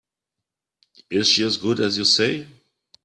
Is she as good as you say?